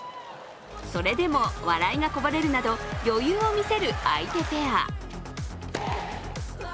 それでも笑いがこぼれるなど余裕を見せる相手ペア。